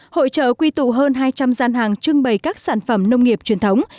hội trợ quy tụ hơn hai trăm linh gian hàng trưng bày các sản phẩm nông nghiệp truyền thống